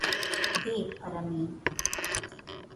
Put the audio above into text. Dê para mim.